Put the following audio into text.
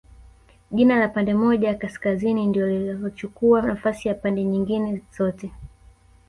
Jina la pande moja ya Kaskazini ndio lililochukua nafasi ya pande nyingine zote